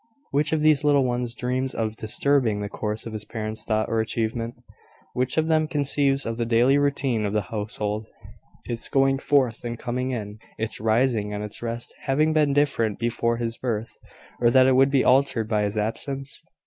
Which of these little ones dreams of disturbing the course of his parent's thought or achievement? Which of them conceives of the daily routine of the household its going forth and coming in, its rising and its rest having been different before his birth, or that it would be altered by his absence?